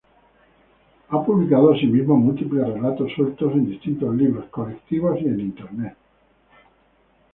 Ha publicado asimismo múltiples relatos sueltos en distintos libros colectivos y en internet.